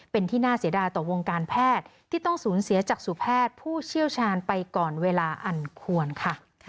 เป็นที่น่าเสียดายต่อวงการแพทย์ที่ต้องสูญเสียจักษุแพทย์ผู้เชี่ยวชาญไปก่อนเวลาอันควรค่ะ